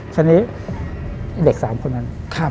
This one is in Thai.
ฉะนั้นเด็ก๓คนนั้น